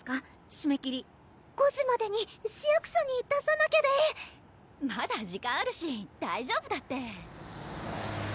しめ切り５時までに市役所に出さなきゃでまだ時間あるし大丈夫だって！